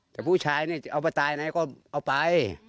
แต่ผู้ชายนี่เอาไปตายไหนก็เอาไป